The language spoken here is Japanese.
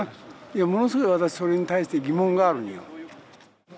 いやものすごい私それに対して疑問があるんよ。